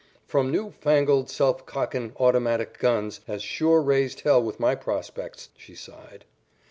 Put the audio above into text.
"Them new fangled self cockin' automatic guns has sure raised hell with my prospects," she sighed.